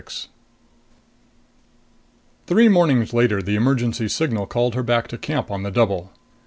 26 Three mornings later, the emergency signal called her back to camp on the double.